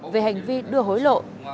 về hành vi đưa hối lộ